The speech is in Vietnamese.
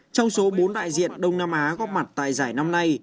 trong số bốn đại diện đông nam á góp mặt tại giải năm nay